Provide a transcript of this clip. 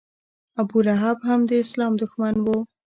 ابولهب هم د اسلام دښمن و.